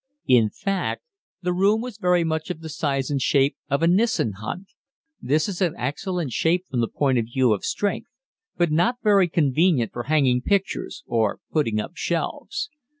In fact, the room was very much of the shape and size of a Nissen hut. This is an excellent shape from the point of view of strength, but not very convenient for hanging pictures or putting up shelves.